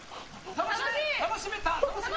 楽しめた。